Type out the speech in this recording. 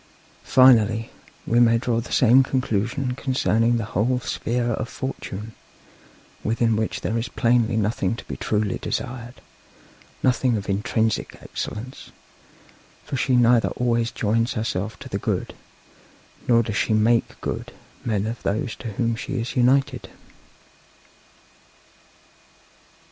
Finally, we may draw the same conclusion concerning the whole sphere of Fortune, within which there is plainly nothing to be truly desired, nothing of intrinsic excellence; for she neither always joins herself to the good, nor does she make good men of those to whom she is united.'